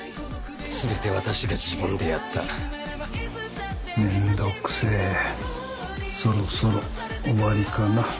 全て私が自分でやっためんどくせえそろそろ終わりかな